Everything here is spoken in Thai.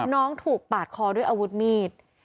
น้องถูกปาดคอด้วยอาวุธมีด